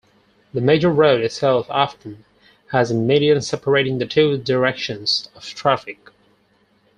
The major road itself often has a median separating the two directions of traffic.